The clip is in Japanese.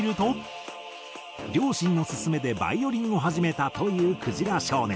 両親の勧めでバイオリンを始めたというくじら少年。